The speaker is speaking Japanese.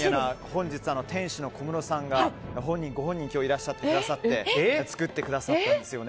本日、店主の小室さんご本人がいらっしゃって作ってくださったんです。